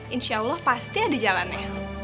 insya allah pasti ada jalannya